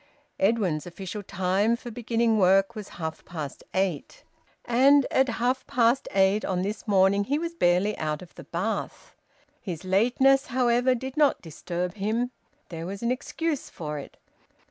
Edwin's official time for beginning work was half past eight. And at half past eight, on this morning, he was barely out of the bath. His lateness, however, did not disturb him; there was an excuse for it.